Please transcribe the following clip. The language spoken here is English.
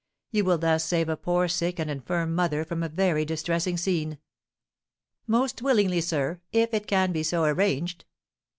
You will thus save a poor sick and infirm mother from a very distressing scene." "Most willingly, sir, if it can be so arranged."